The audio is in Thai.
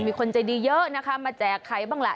มีคนใจดีเยอะนะคะมาแจกใครบ้างล่ะ